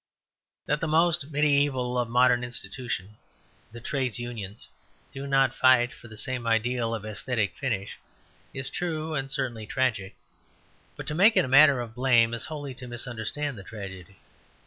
That the most mediæval of modern institutions, the Trades Unions, do not fight for the same ideal of æsthetic finish is true and certainly tragic; but to make it a matter of blame is wholly to misunderstand the tragedy.